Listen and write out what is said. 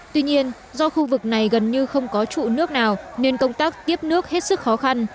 tuy nhiên do khu vực này gần như không có trụ nước nào nên công tác tiếp nước hết sức khó khăn